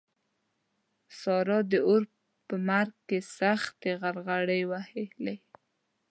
سارا د اور په مرګ کې سختې غرغړې ووهلې.